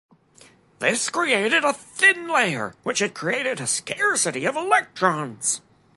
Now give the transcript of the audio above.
This created a thin layer which had a scarcity of electrons.